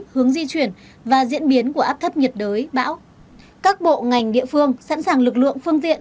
hướng di chuyển và diễn biến của áp thấp nhiệt đới bão các bộ ngành địa phương sẵn sàng lực lượng phương tiện